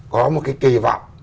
có một cái kỳ vọng